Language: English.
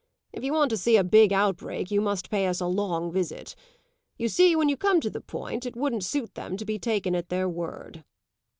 "If you want to see a big outbreak you must pay us a long visit. You see, when you come to the point it wouldn't suit them to be taken at their word."